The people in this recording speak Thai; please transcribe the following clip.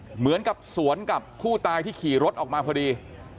เหมือนกับสวนกับผู้ตายที่ขี่รถออกมาพอดี